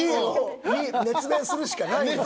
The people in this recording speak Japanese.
熱弁するしかないよ。